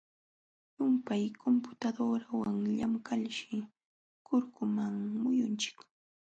Llumpay computadorawan llamkalshi kurkuman muyunchik.